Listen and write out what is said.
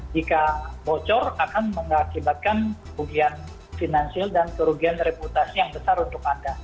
jika bocor akan mengakibatkan kerugian finansial dan kerugian reputasi yang besar untuk anda